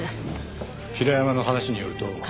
平山の話によると。